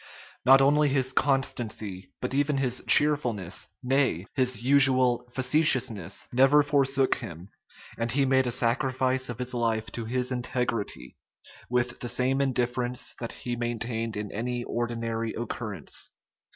Not only his constancy, but even his cheerfulness, nay, his usual facetiousness, never forsook him; and he made a sacrifice of his life to his integrity, with the same indifference that he maintained in any ordinary occurrence.